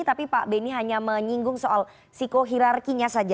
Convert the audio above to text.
tapi pak benny hanya menyinggung soal psikohirarkinya saja